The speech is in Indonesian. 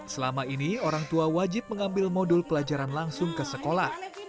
selama ini orang tua wajib mengambil modul pelajaran langsung ke sekolah